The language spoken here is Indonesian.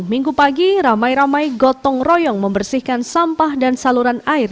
minggu pagi ramai ramai gotong royong membersihkan sampah dan saluran air